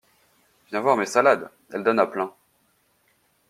Viens voir mes salades, elles donnent à plein.